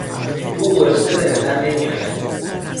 او گرسنه بنظر نمیاید